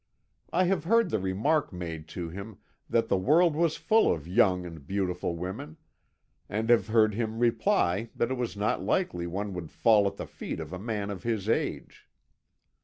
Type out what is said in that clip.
I have heard the remark made to him that the world was full of young and beautiful women, and have heard him reply that it was not likely one would fall at the feet of a man of his age.